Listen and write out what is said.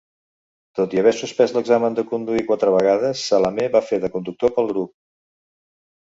Tot i haver suspès l'examen de conduir quatre vegades, Salameh va fer de conductor pel grup.